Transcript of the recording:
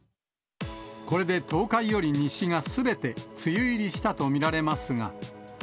これで東海より西がすべて梅雨入りしたと見られますが。